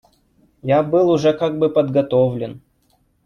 Я был уже как бы подготовлен.